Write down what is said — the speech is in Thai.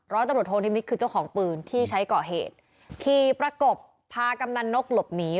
ร้อยตำรวจโทนิมิตรคือเจ้าของปืนที่ใช้ก่อเหตุขี่ประกบพากำนันนกหลบหนี